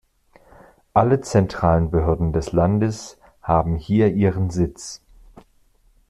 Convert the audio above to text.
Alle zentralen Behörden des Landes haben hier ihren Sitz.